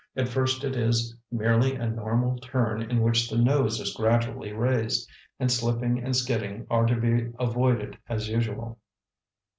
At first it is merely a normal turn in which the nose is gradually raised, and slipping and skidding are to be avoided as usual.